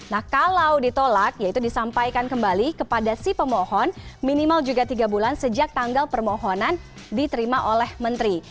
nah kalau ditolak yaitu disampaikan kembali kepada si pemohon minimal juga tiga bulan sejak tanggal permohonan diterima oleh menteri